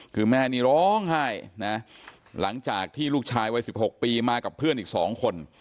คือแม่นี่ร้องไห้นะหลังจากที่ลูกชายวัย๑๖ปีมากับเพื่อนอีก๒คน